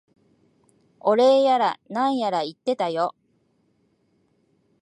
お礼やら何やら言ってたよ。